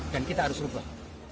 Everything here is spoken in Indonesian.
dan kita harus ubah